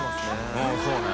Δそうね。